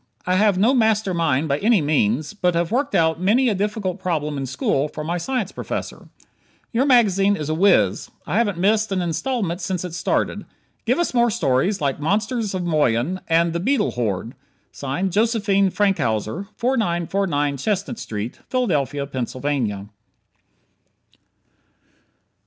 I have no master mind by any means, but have worked out many a difficult problem in school for my science prof. Your magazine is a wiz. I haven't missed an instalment since it started. Give us more stories like "Monsters of Moyen," and "The Beetle Horde." Josephine Frankhouser, 4949 Chestnut St., Philadelphia, Pennsylvania.